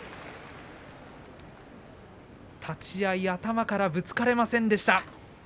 立ち合い頭からぶつかれませんでした。